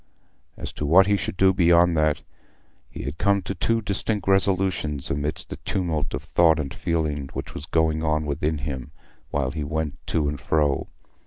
As to what he should do beyond that, he had come to two distinct resolutions amidst the tumult of thought and feeling which was going on within him while he went to and fro.